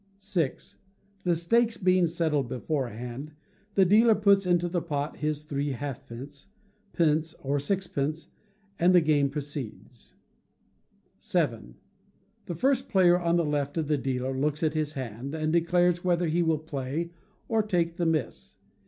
vi. The stakes being settled beforehand, the dealer puts into the pool his three halfpence, pence, or sixpences, and the game proceeds: vii. The first player on the left of the dealer looks at his hand, and declares whether he will play or take the miss.